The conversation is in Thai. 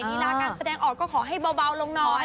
นินาจาการแสดงออกก็ขอให้เบาลงน้อย